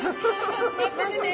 待っててね。